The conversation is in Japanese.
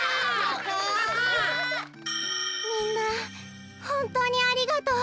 みんなほんとうにありがとう。